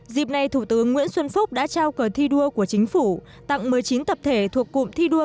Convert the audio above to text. dịp này thủ tướng nguyễn xuân phúc đã trao cờ thi đua của chính phủ tặng một mươi chín tập thể thuộc cụm thi đua